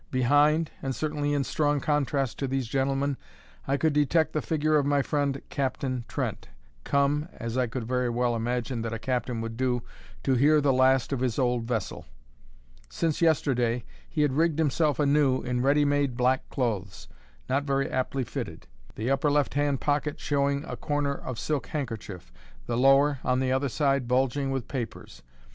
Behind, and certainly in strong contrast to these gentlemen, I could detect the figure of my friend Captain Trent, come (as I could very well imagine that a captain would) to hear the last of his old vessel. Since yesterday, he had rigged himself anew in ready made black clothes, not very aptly fitted; the upper left hand pocket showing a corner of silk handkerchief, the lower, on the other side, bulging with papers.